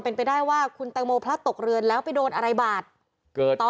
เป็นไปได้ว่าคุณแตงโมพลัดตกเรือนแล้วไปโดนอะไรบาดเกิดตอน